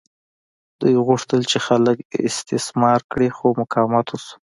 دوی غوښتل چې خلک استثمار کړي خو مقاومت وشو.